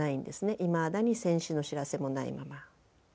いまだに戦死の知らせもないまま。